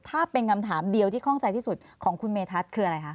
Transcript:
ถ้าเป็นคำถามเดียวที่คล่องใจที่สุดของคุณเมธัศนคืออะไรคะ